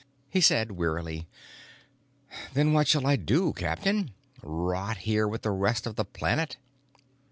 He said wearily: "Then what shall I do, Captain? Rot here with the rest of the planet?"